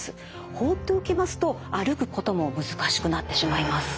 放っておきますと歩くことも難しくなってしまいます。